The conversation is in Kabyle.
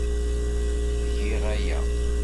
Giɣ aya.